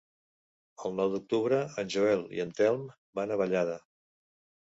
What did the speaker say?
El nou d'octubre en Joel i en Telm van a Vallada.